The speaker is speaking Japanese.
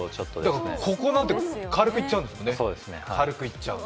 だからここなんて軽くいっちゃうんですよね。